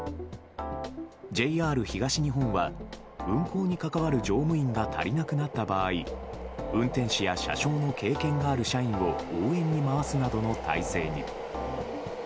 ＪＲ東日本は運行に関わる乗務員が足りなくなった場合運転士や車掌の経験がある社員を応援に回すなどの体制に。